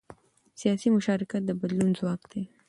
سیاسي مشارکت د بدلون ځواک دی